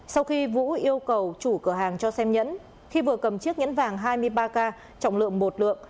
sau khi vũ yêu cầu chủ cửa hàng cho xem nhẫn khi vừa cầm chiếc nhẫn vàng hai mươi ba k trọng lượng một lượng